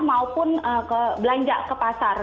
maupun belanja ke pasar